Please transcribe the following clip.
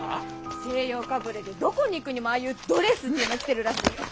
西洋かぶれでどこに行くにもああいうドレスってのを着てるらしいよ。